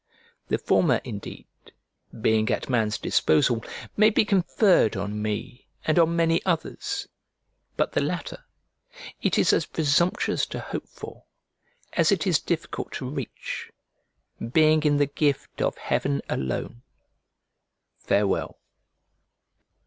The former, indeed, being at man's disposal, may be conferred on me and on many others, but the latter it is as presumptuous to hope for as it is difficult to reach, being in the gift of heaven alone. Farewell.